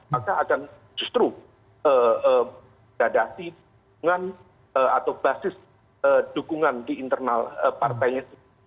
maka akan justru dadasi dukungan atau basis dukungan di internal partainya